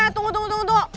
tunggu tunggu tunggu